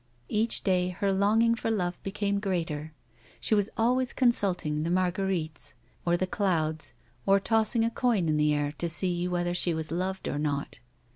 Each day her longing for love became greater. She was always consulting the marguerites, or the clouds, or tossing a coin in the air to see whether she was loved or not.